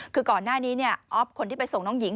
คือก่อนหน้านี้ออฟคนที่ไปส่งน้องหญิง